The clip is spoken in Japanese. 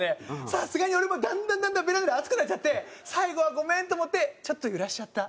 さすがに俺もだんだんだんだんベランダで暑くなっちゃって最後はごめんと思ってちょっと揺らしちゃった。